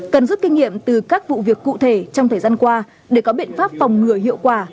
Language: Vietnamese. cần giúp kinh nghiệm từ các vụ việc cụ thể trong thời gian qua để có biện pháp phòng ngừa hiệu quả